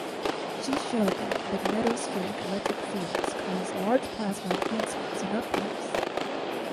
She showed that magnetospheric electric fields cause large plasma enhancements and uplifts.